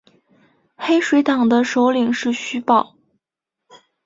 黑水党的首领是徐保。